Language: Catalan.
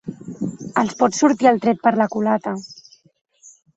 Els pot sortir el tret per la culata.